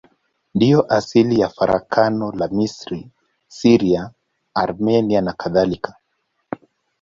Ndiyo asili ya farakano la Misri, Syria, Armenia nakadhalika.